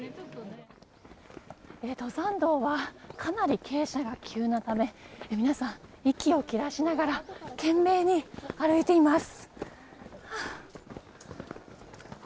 登山道はかなり傾斜が急なため皆さん、息を切らしながら懸命に歩いています。